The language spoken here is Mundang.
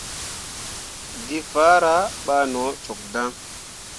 Geefahra ɓah no cok dan.